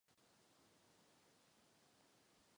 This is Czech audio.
Odtud přišli mnozí jeho členové do Čech.